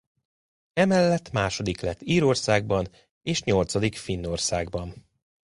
Emellett második lett Írországban és nyolcadik Finnországban.